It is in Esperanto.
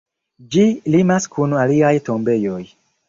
Ĝi limas kun aliaj tombejoj.